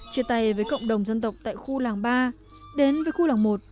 chia tay với cộng đồng dân tộc tại khu làng ba đến với khu làng một